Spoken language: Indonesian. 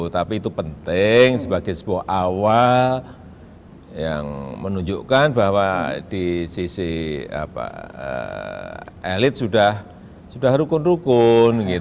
tapi itu penting sebagai sebuah awal yang menunjukkan bahwa di sisi elit sudah rukun rukun